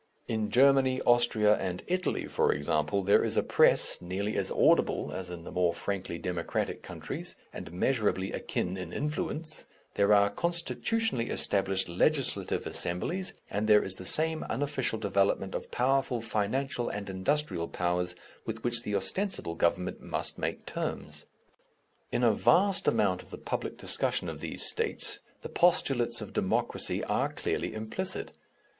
In Germany, Austria, and Italy, for example, there is a press nearly as audible as in the more frankly democratic countries, and measurably akin in influence; there are constitutionally established legislative assemblies, and there is the same unofficial development of powerful financial and industrial powers with which the ostensible Government must make terms. In a vast amount of the public discussion of these States, the postulates of Democracy are clearly implicit.